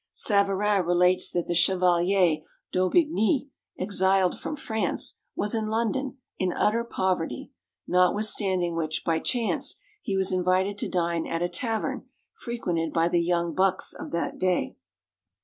Savarin relates that the Chevalier d'Aubigny, exiled from France, was in London, in utter poverty, notwithstanding which, by chance, he was invited to dine at a tavern frequented by the young bucks of that day.